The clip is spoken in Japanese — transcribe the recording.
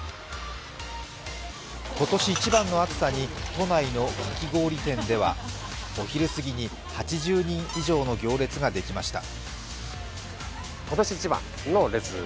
今年一番の暑さに都内のかき氷店ではお昼すぎに８０人以上の行列ができました。